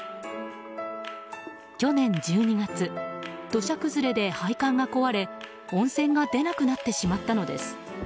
去年１２月土砂崩れで配管が壊れ温泉が出なくなってしまったのです。